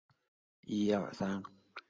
曾任上海豫园书画会会长。